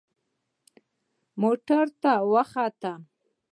موټر ته وختم.